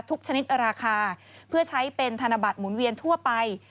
ชนิดราคาเพื่อใช้เป็นธนบัตรหมุนเวียนทั่วไป